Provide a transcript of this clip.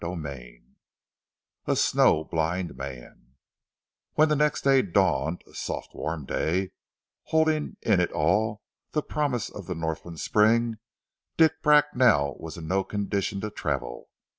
CHAPTER XXV A SNOW BLIND MAN WHEN the next day dawned, a soft warm day, holding in it all the promise of the Northland spring, Dick Bracknell was in no condition to travel.